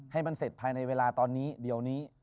ให้มันเสร็จภายในเวลาตอนนี้เดี๋ยวนี้